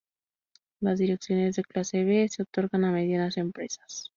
Las direcciones de clase B se otorgan a medianas empresas.